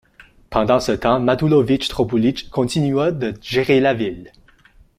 Pendant ce temps Matulović-Dropulić continua de gérer la ville.